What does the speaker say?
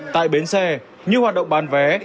tại bến xe như hoạt động bàn vé